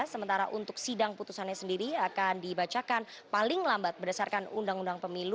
sementara untuk sidang putusannya sendiri akan dibacakan paling lambat berdasarkan undang undang pemilu